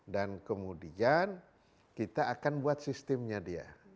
dan kemudian kita akan buat sistemnya dia